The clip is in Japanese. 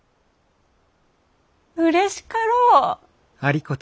うれしかろう？